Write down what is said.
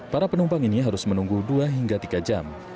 para penumpang ini harus menunggu dua hingga tiga jam